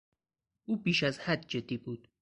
او بیش از حد جدی بود.